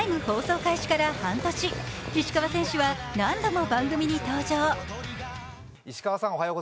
放送開始から半年、石川選手は何度も番組に登場。